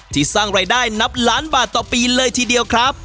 สร้างรายได้นับล้านบาทต่อปีเลยทีเดียวครับ